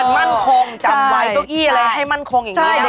มั่นคงจำไว้ตุ๊กอี้อะไรให้มั่นคงอย่างนี้นะคะ